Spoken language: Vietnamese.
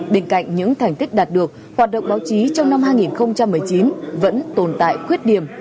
bên cạnh những thành tích đạt được hoạt động báo chí trong năm hai nghìn một mươi chín vẫn tồn tại khuyết điểm